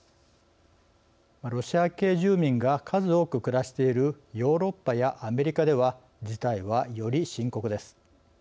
ロシア系住民が数多く暮らしているヨーロッパやアメリカでは事態はより深刻です。